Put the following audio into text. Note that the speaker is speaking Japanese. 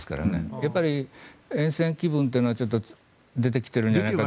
やっぱり、えん戦気分というのは出てきてるんじゃないかと。